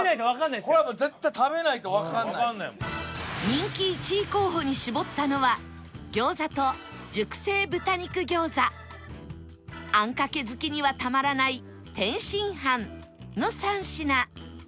人気１位候補に絞ったのは餃子と熟成豚肉餃子あんかけ好きにはたまらない天津飯の３品